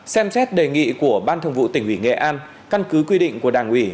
xem xét đề nghị của ban thường vụ tỉnh ủy nghệ an căn cứ quy định của đảng ủy